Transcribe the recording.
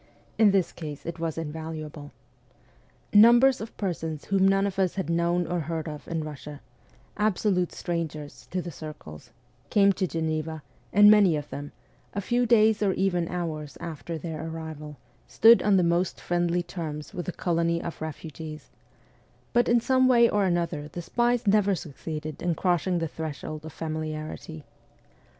In this case it was invaluable. Numbers of persons whom none of us had known or heard of in Eussia absolute strangers to the circles came to Geneva, and many of them, a few days or even hours after their arrival, stood on the WESTERN EUROPE 287 most friendly terms with the colony of refugees ; but in some way or another the spies never succeeded in crossing the threshold of familiarity.